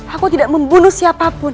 aku tidak membunuh siapapun